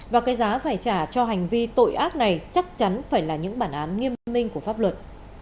và cái giá phải trả cho hành vi tội ác này chắc chắn phải là những bản án nghiêm minh của pháp luật